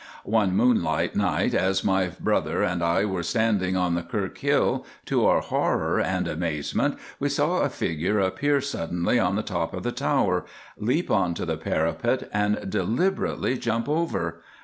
One moonlight night as my brother and I were standing on the Kirkhill, to our horror and amazement we saw a figure appear suddenly on the top of the tower, leap on to the parapet, and deliberately jump over.